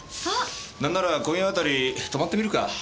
なんなら今夜あたり泊まってみるか？